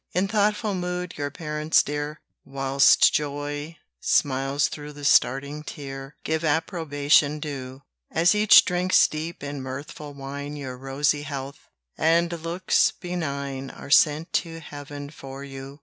In thoughtful mood your parents dear, Whilst joy smiles through the starting tear, Give approbation due. As each drinks deep in mirthful wine Your rosy health, and looks benign Are sent to heaven for you.